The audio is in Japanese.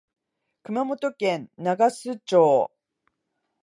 熊本県長洲町